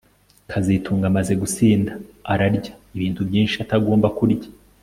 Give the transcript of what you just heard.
kazitunga amaze gusinda azarya ibintu byinshi atagomba kurya